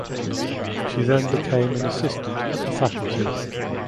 She then became an assistant at the Faculty.